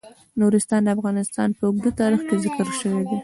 نورستان د افغانستان په اوږده تاریخ کې ذکر شوی دی.